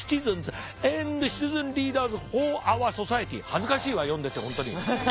恥ずかしいわ読んでて本当に。